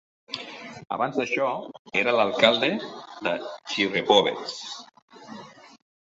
Abans d'això, era l'alcalde de Cherepovets.